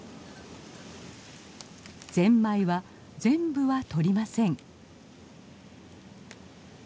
ゼンマイは全部はとりません。